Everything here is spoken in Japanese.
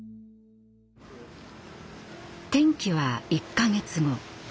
転機は１か月後。